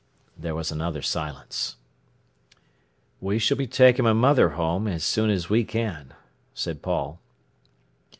There was another silence. "We s'll be taking my mother home as soon as we can," said Paul.